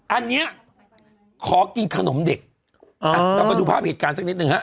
อันนี้ขอกินขนมเด็กอ่ะเราไปดูภาพเหตุการณ์สักนิดหนึ่งฮะ